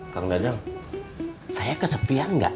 kang dadang saya kesepian nggak